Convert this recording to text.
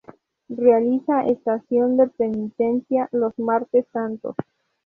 Realiza Estación de Penitencia los Martes Santos.